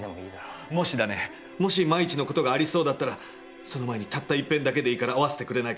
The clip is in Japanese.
もし万一の事がありそうだったら、その前にたった一遍だけでいいから、逢わせてくれないか。